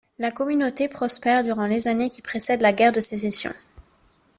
La communauté prospère durant les années qui précèdent la guerre de Sécession.